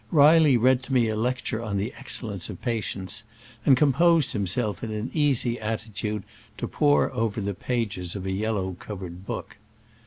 Reilly read to me a lecture on the excellence of patience, and composed himself in an easy attitude to pore over the pages of a yellow covered book.